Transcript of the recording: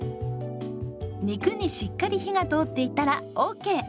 肉にしっかり火が通っていたらＯＫ。